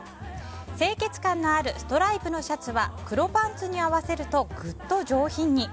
清潔感のあるストライプのシャツは黒パンツに合わせるとぐっと上品に。